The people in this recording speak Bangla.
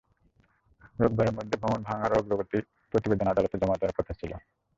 রোববারের মধ্যে ভবন ভাঙার অগ্রগতি প্রতিবেদন আদালতে জমা দেওয়ার কথা ছিল।